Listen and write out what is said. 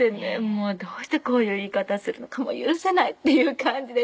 もうどうしてこういう言い方するのか許せないっていう感じで。